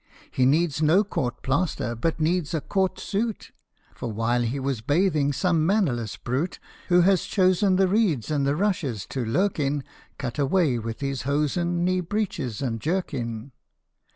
He needs no court plaster, but needs a court suit ; For while he was bathing some mannerless brute, Who had chosen the reeds and the rushes to lurk in, Cut away with his hosen, knee breeches, and jerkin."